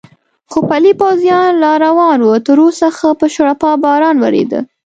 خو پلی پوځیان لا روان و، تراوسه ښه په شړپا باران ورېده.